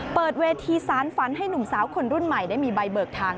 เปิดเวทีสารฝันให้หนุ่มสาวคนรุ่นใหม่ได้มีใบเบิกทาง